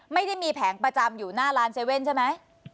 ไม่ได้มีแผงประจำอยู่หน้าร้าน๗๑๑ใช่ไหม